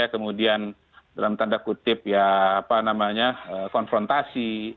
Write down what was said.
kemudian dalam tanda kutip ya apa namanya konfrontasi